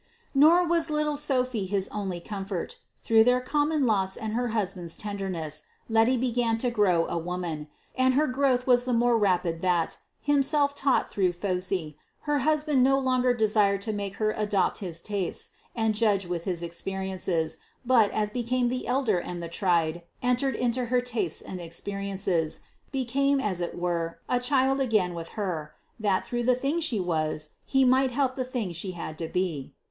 Nor was little Sophy his only comfort. Through their common loss and her husband's tenderness, Letty began to grow a woman. And her growth was the more rapid that, himself taught through Phosy, her husband no longer desired to make her adopt his tastes, and judge with his experiences, but, as became the elder and the tried, entered into her tastes and experiences became, as it were, a child again with her, that, through the thing she was, he might help the thing she had to be.